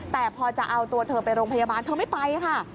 แต่พอจะเอาตัวเธอไปโรงพยาบาลเธอไม่ไปค่ะ